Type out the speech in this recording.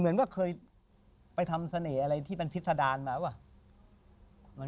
เหมือนว่าเคยไปทำเสน่หว่าที่พิสดารไปเวลา